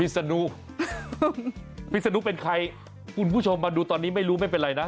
สนุกพิศนุเป็นใครคุณผู้ชมมาดูตอนนี้ไม่รู้ไม่เป็นไรนะ